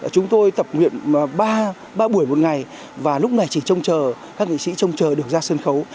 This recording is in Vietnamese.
chúng tôi tập luyện ba buổi một ngày và lúc này chỉ trông chờ các nghệ sĩ trông chờ được ra sân khấu